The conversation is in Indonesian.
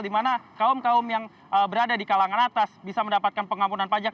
di mana kaum kaum yang berada di kalangan atas bisa mendapatkan pengampunan pajak